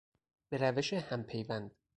به روش همپیوند